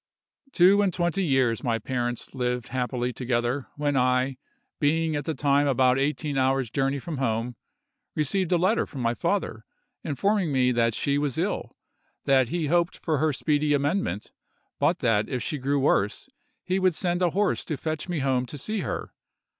"Two and twenty years my parents lived happily together, when I, being at the time about eighteen hours' journey from home, received a letter from my father informing me that she was ill—that he hoped for her speedy amendment—but that if she grew worse he would send a horse to fetch me home to see her.